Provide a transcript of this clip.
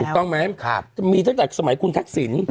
ถูกต้องไหมจะมีตั้งแต่สมัยคุณทักษิณ